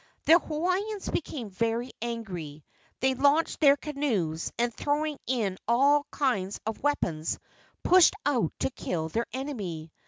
The Hawaiians became very angry. They launched their canoes, and, throwing in all kinds of weapons, pushed out to kill their enemy.